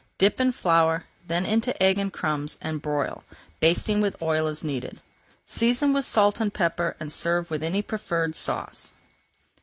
Dip in flour, then into egg and crumbs, and broil, basting with oil as needed. Season with salt and pepper and serve with any preferred sauce.